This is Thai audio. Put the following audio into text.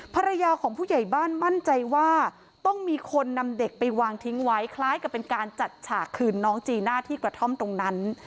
ภรรยาของผู้ใหญ่บ้านมั่นใจว่าต้องมีคนนำเด็กไปวางทิ้งไว้คล้ายกับเป็นการจัดฉากคืนน้องจีน่าที่กระท่อมตรงนั้น